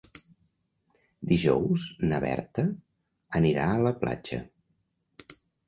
Dijous na Berta anirà a la platja.